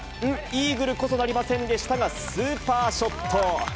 イーグルこそなりませんでしたが、スーパーショット。